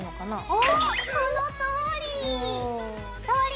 おそのとおり！